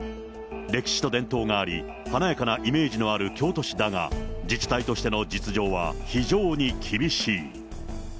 歴史と伝統があり、華やかなイメージのある京都市だが、自治体としての実情は非常に厳しい。